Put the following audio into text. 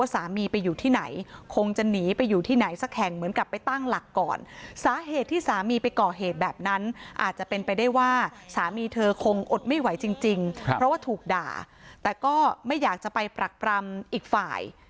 สามีเธอคงอดไม่ไหวจริงจริงเพราะว่าถูกด่าแต่ก็ไม่อยากจะไปปรักปรำอีกฝ่าย